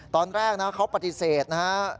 ตอนแรกนะเขาปฏิเสธนะฮะ